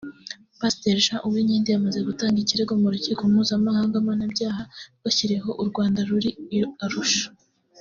Pasteri Jean Uwinkindi yamaze gutanga ikirego mu rukiko mpuzamahanga mpanabyaha rwashyiriweho u Rwanda ruri i Arusha